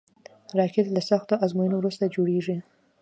راکټ له سختو ازموینو وروسته جوړېږي